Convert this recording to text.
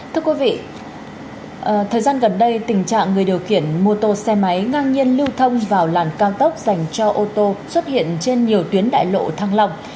thưa quý vị thời gian gần đây tình trạng người điều khiển mô tô xe máy ngang nhiên lưu thông vào làn cao tốc dành cho ô tô xuất hiện trên nhiều tuyến đại lộ thăng long